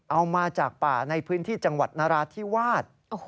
เอามาจากป่าในพื้นที่จังหวัดนราธิวาส